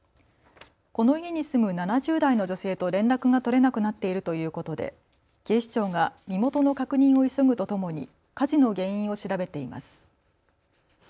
この家に住む７０代の女性と連絡が取れなくなっているということで警視庁が身元の確認を急ぐとともに火事の原因を調べています。